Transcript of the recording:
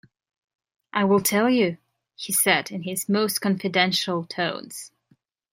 "I will tell you," he said, in his most confidential tones.